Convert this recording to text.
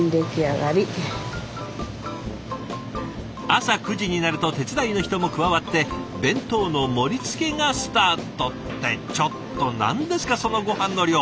朝９時になると手伝いの人も加わって弁当の盛りつけがスタート。ってちょっと何ですかそのごはんの量。